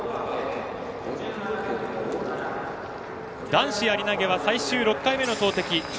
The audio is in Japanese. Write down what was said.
男子やり投げは最終６回目の投てき。